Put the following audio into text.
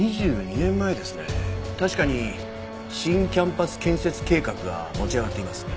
確かに新キャンパス建設計画が持ち上がっています。